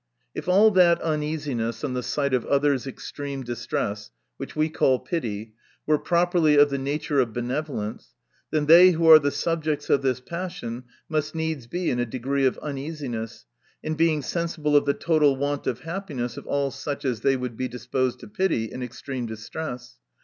If all that uneasiness on the sight of others' extreme distress, which we call pity, were properly of the nature of benevolence, then they who are the subjects of this passion, must needs be in a degree of uneasiness in being sensible of the total want of happiness, of all such as they would be disposed to pity in ex treme distress.